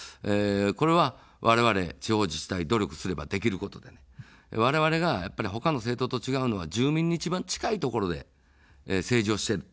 これはわれわれ地方自治体、努力すればできることで、われわれがほかの政党と違うのは住民に一番近いところで政治をしている。